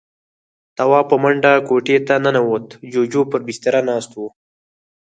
تواب په منډه کوټې ته ننوت. جُوجُو پر بستره ناست و.